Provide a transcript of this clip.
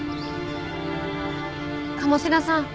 鴨志田さん